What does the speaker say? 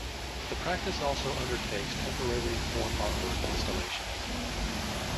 The practice also undertakes temporary for artwork installations.